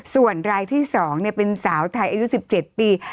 ส่วนรายที่๒เป็นสาวไทยอายุ๑๗ปี